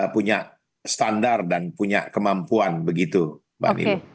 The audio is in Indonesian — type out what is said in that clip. punya standar dan punya kemampuan begitu mbak nini